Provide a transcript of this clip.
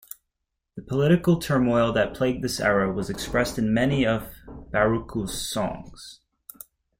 The political turmoil that plagued this era were expressed in many of Buarque's songs.